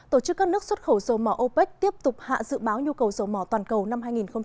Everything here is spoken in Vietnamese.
tổ chức các nước xuất khẩu dầu mỏ opec tiếp tục hạ dự báo nhu cầu dầu mỏ toàn cầu năm hai nghìn hai mươi